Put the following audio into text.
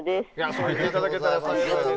そう言っていただけたら幸いです。